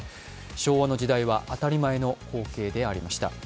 昭和の時代は当たり前の光景でありました。